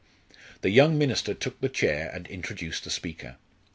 The young minister took the chair and introduced the speaker.